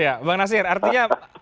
iya bang nasir artinya